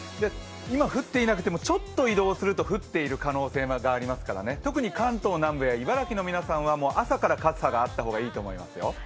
今、降っていなくてもちょっと移動すると降っている可能性がありますからね、特に関東南部や茨城の皆さんは、朝から傘があった方がいいと思いますよ。